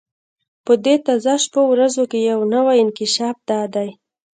په دې تازه شپو ورځو کې یو نوی انکشاف دا دی.